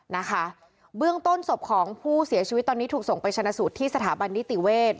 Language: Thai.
นะคะเบื้องต้นศพของผู้เสียชีวิตตอนนี้ถูกส่งไปชนะสูตรที่สถาบันนิติเวศ